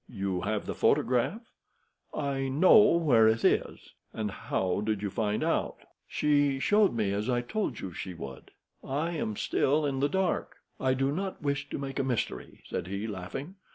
"You have the photograph?" "I know where it is." "And how did you find out?" "She showed me, as I told you that she would." "I am still in the dark." "I do not wish to make a mystery," said he, laughing.